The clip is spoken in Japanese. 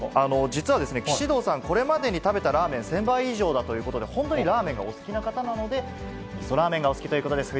実は、岸堂さん、これまでに食べたラーメン、１０００杯以上だということで、本当にラーメンがお好きな方なので、みそラーメンがお好きということです。